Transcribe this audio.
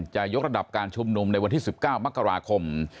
จะยกระดับการชุมนุมในวันที่๑๙มกราคม